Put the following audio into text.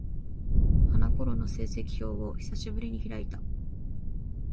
あの頃の成績表を、久しぶりに開いた。